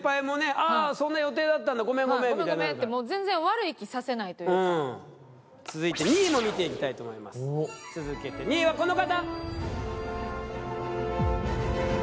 ああそんな予定だったんだごめんごめんみたいになるもう全然続いて２位も見ていきたいと思います続けて２位はこの方！